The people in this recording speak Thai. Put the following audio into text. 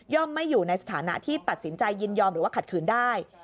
ไม่อยู่ในสถานะที่ตัดสินใจยินยอมหรือว่าขัดขืนได้